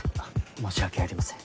申し訳ありません。